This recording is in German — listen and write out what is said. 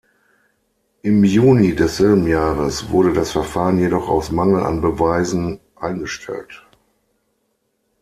Im Juni desselben Jahres wurde das Verfahren jedoch aus Mangel an Beweisen eingestellt.